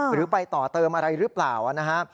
หรือไปต่อเติมอะไรหรือเปล่านะฮะ